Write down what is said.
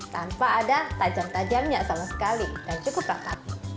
tanpa ada tajam tajamnya sama sekali dan cukup bakat